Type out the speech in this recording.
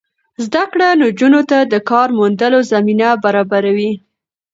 زده کړه نجونو ته د کار موندلو زمینه برابروي.